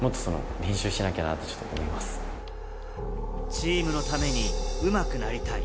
チームのためにうまくなりたい。